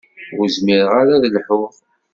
Ur zmireɣ ara ad lḥuɣ.